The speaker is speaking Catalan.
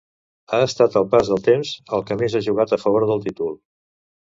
Ha estat el pas del temps el que més ha jugat a favor del títol.